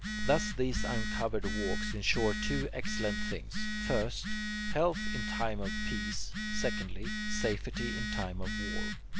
Thus these uncovered walks insure two excellent things: first, health in time of peace; secondly, safety in time of war.